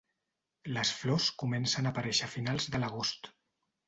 Les flors comencen a aparèixer a finals de l'agost.